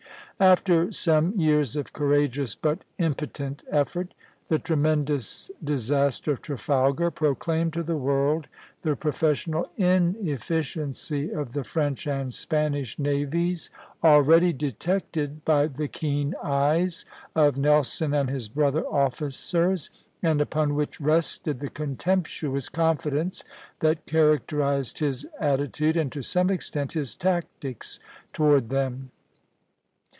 After some years of courageous but impotent effort, the tremendous disaster of Trafalgar proclaimed to the world the professional inefficiency of the French and Spanish navies, already detected by the keen eyes of Nelson and his brother officers, and upon which rested the contemptuous confidence that characterized his attitude, and to some extent his tactics, toward them.